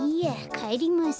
かえります。